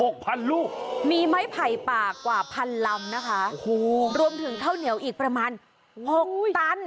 พันลูกมีไม้ไผ่ป่ากว่าพันลำนะคะโอ้โหรวมถึงข้าวเหนียวอีกประมาณหกตัน